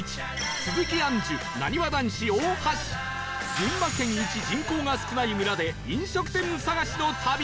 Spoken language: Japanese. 群馬県一人口が少ない村で飲食店探しの旅